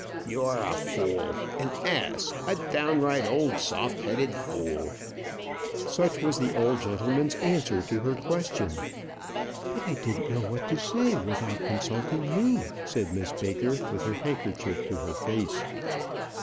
"You are a fool, an ass! a downright old soft headed fool!" Such was the old gentleman's answer to her question. "But I didn't know what to say without consulting you," said Miss Baker, with her handkerchief to her face.